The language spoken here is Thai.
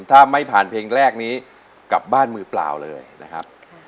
ถ้าไม่ผ่านเพลงแรกนี้กลับบ้านมือเปล่าเลยนะครับ